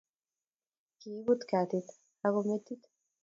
Kibuut katit ago metit